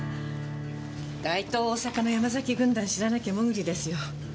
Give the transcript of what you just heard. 大東大阪の山崎軍団知らなきゃモグリですよ。